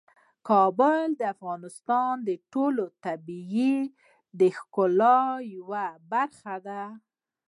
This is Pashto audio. کابل د افغانستان د ټول طبیعت د ښکلا یوه برخه ده.